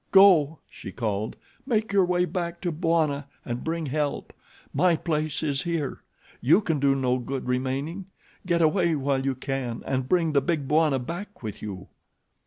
"Go!" she called. "Make your way back to Bwana and bring help. My place is here. You can do no good remaining. Get away while you can and bring the Big Bwana back with you."